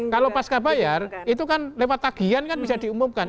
kalau pas kabayar itu kan lewat tagian kan bisa diumumkan